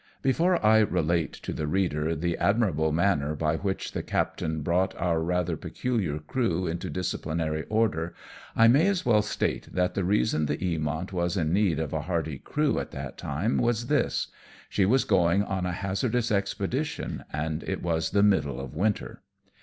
Before I relate to the reader the admirable manner by which the captain brought our rather peculiar crew iuto disciplinary order, I may as well state that the reason the Eamont was in need of a hardy crew at that time was this : she was going on a hazardous expedi tion, and it was the middle of winter.